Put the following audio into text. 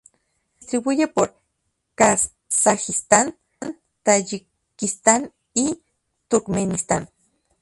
Se distribuye por Kazajistán, Tayikistán y Turkmenistán